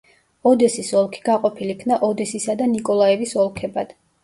ოდესის ოლქი გაყოფილ იქნა ოდესისა და ნიკოლაევის ოლქებად.